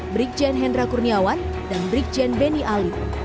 brigjen hendra kurniawan dan brigjen beni ali